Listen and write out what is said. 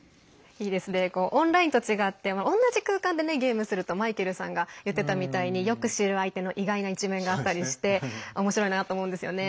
オンラインと違って同じ空間でゲームするとマイケルさんが言ってたみたいによく知る相手の意外な一面があったりしておもしろいなと思うんですよね。